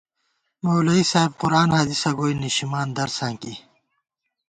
مولوی صاحب قرآن حدیثہ گوئی نِشِمان درساں کی